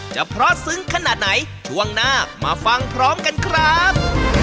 จะเพราะซึ้งขนาดไหนช่วงหน้ามาฟังพร้อมกันครับ